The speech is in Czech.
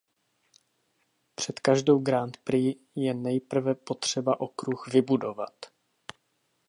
Před každou Grand Prix je nejprve potřeba okruh vybudovat.